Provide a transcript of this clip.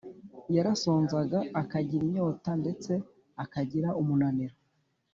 yarasonzaga, akagira inyota, ndetse akagira umunaniro